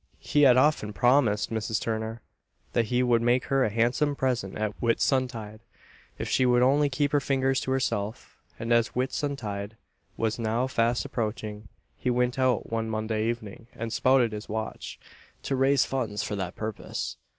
"He had often promised Mrs. Turner, that he would make her a handsome present at Whitsuntide, if she would only keep her fingers to herself; and as Whitsuntide was now fast approaching, he went out one Monday evening and spouted his watch, to raise funds for that purpose.